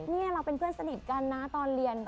นี่เราเป็นเพื่อนสนิทกันนะตอนเรียน